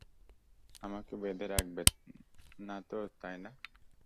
আমাকে বেঁধে রাখবে না তো, তাই না?